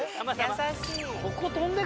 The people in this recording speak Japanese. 優しい。